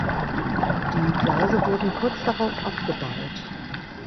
Die Gleise wurden kurz darauf abgebaut.